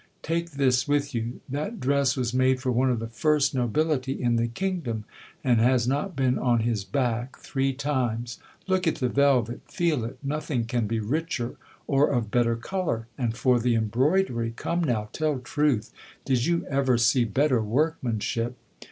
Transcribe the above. Take this with you ! That dress was made for one of the first nobility in the kingdom, and has not been on his back three times. Look at the velvet ; feel it : nothing can be richer or of a better colour ; and for the embroidery, come now ! tell truth : did you ever see better workmanship